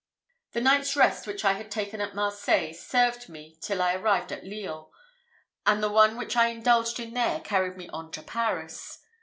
The night's rest which I had taken at Marseilles served me till I arrived at Lyons; and the one which I indulged in there carried me on to Paris.